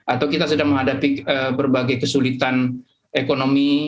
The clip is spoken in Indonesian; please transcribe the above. atau kita sedang menghadapi berbagai kesulitan ekonomi